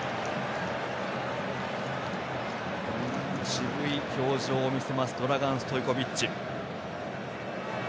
渋い表情を見せますドラガン・ストイコビッチ。